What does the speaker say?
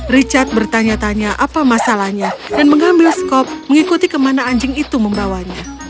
richard bertanya tanya apa masalahnya dan mengambil skop mengikuti kemana anjing itu membawanya